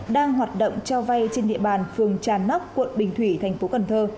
đang hoạt động cho vay trên địa bàn phường trà nóc quận bình thủy tp cn